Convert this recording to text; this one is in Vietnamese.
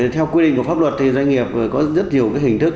theo quy định của pháp luật thì doanh nghiệp vừa có rất nhiều hình thức